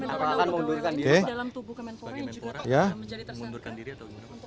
apalagi memundurkan diri dalam tubuh kementerian pura yang juga menjadi tersangka